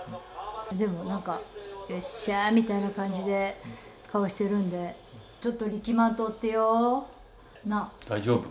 でも、なんか、よっしゃーみたいな感じで、顔してるんで、ちょっとりきまんとってよ、なあ？大丈夫。